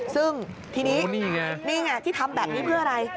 ซึ่งทีนี้นี่ไงที่ทำแบบนี้เพื่ออะไร